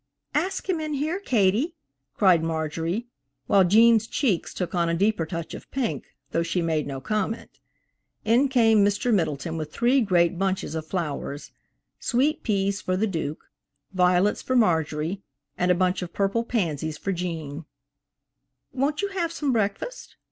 "Ask him in here, Katie," cried Marjorie, while Gene's cheeks took on a deeper touch of pink, though she made no comment. In came Mr. Middleton with three great bunches of flowers; sweet peas for the Duke, violets for Marjorie, and a bunch of purple pansies for Gene. "Won't you have some breakfast?"